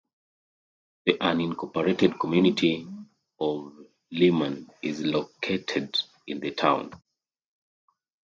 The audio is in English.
The unincorporated community of Leeman is located in the town.